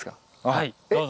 はいどうぞ。